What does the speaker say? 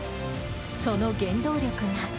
その原動力が。